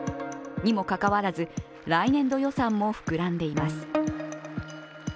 にもかかわらず、来年度予算も膨らんでいます。